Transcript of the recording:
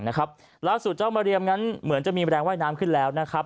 ล่าสุดเจ้ามาเรียมนั้นเหมือนจะมีแรงว่ายน้ำขึ้นแล้วนะครับ